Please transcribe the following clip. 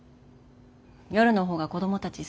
夜の方が子供たち少ない